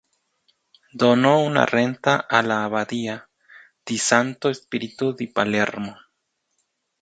Donó una renta a la abadía "di Santo Spirito di Palermo".